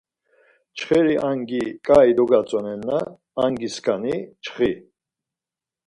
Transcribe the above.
Çxeri angi ǩai dogatzonenna angiskani çxi.